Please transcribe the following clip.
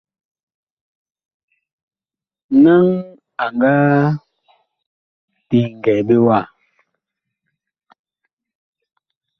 Naŋ a nga teŋgɛɛ ɓe wa ?